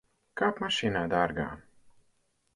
Kāp mašīnā, dārgā.